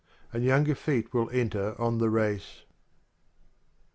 And younger feet will enter on the race.